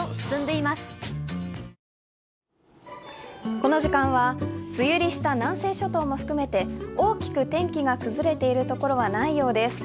この時間は梅雨入りした南西諸島も含めて大きく天気が崩れているところはないようです。